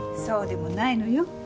そうでもないのよ。